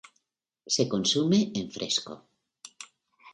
Se consume en fresco.